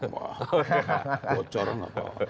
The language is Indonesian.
bocoran tidak tahu